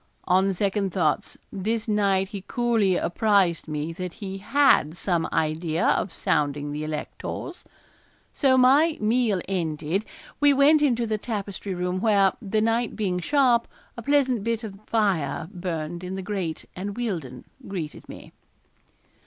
On second thoughts this night he coolly apprised me that he had some idea of sounding the electors. So, my meal ended, we went into the tapestry room where, the night being sharp, a pleasant bit of fire burned in the grate, and Wealdon greeted me.